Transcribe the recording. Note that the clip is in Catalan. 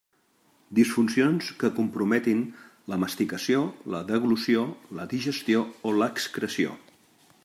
Disfuncions que comprometin la masticació, la deglució, la digestió o l'excreció.